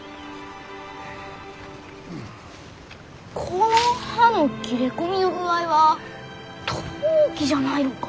この葉の切れ込みの具合はトウキじゃないろか？